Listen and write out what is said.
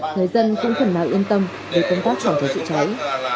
người dân cũng khẩn nào yên tâm với công tác phòng cháy chữa cháy